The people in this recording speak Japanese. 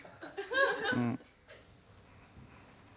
うん。